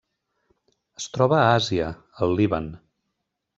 Es troba a Àsia: el Líban.